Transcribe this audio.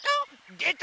でた！